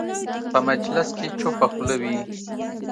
په مجلس کې چوپه خوله وي.